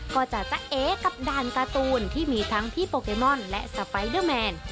ก็จะตะเอกับด่านการ์ตูนที่มีทั้งพี่โปเกมอนและสไปเดอร์แมน